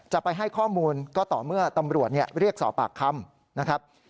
จะไปให้ข้อมูลก็ต่อเมื่อตำรวจเรียกสอบปากคำนะครับ